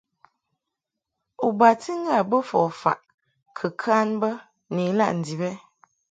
U bati ŋgâ bofa u faʼ kɨ kan bə ni ilaʼ ndib ɛ ?